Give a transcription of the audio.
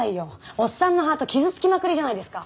おっさんのハート傷つきまくりじゃないですか。